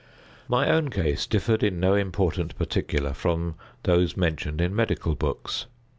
My own case differed in no important particular from those mentioned in medical books.